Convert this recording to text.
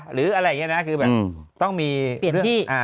หรืออะไรอย่างนี้นะคือแบบต้องมีเปลี่ยนเรื่องที่